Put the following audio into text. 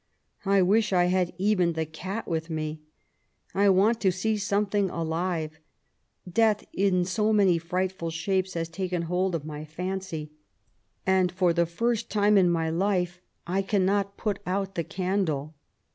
I wish I^had eren kept the cat with me I I want to see something alive— death in so many frightful shapes hsi taken hold of my fancy. I am going to bed, and for the first time in my life I cannot pat ont the candle.